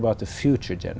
tôi tiếp tục đến